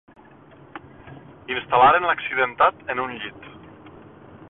Instal·laren l'accidentat en un llit.